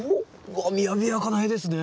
わっ雅やかな絵ですね。